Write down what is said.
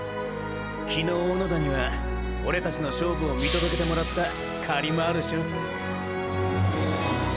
昨日小野田にはオレたちの勝負を見届けてもらったカリもあるショ。